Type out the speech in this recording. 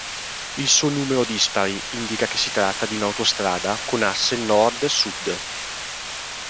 Il suo numero dispari indica che si tratta di un'autostrada con asse nord-sud.